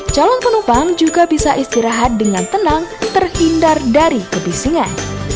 calon penumpang juga bisa istirahat dengan tenang terhindar dari kebisingan